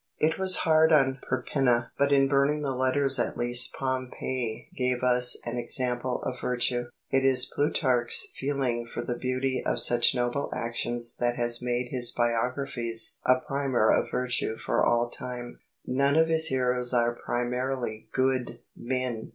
It was hard on Perpenna, but in burning the letters at least Pompey gave us an example of virtue. It is Plutarch's feeling for the beauty of such noble actions that has made his biographies a primer of virtue for all time. None of his heroes are primarily "good" men.